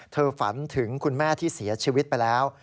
ฝันถึงคุณแม่ที่เสียชีวิตไปแล้ว